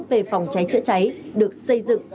về phòng cháy chữa cháy được xây dựng